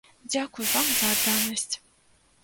Дзякуй вам за адданасць!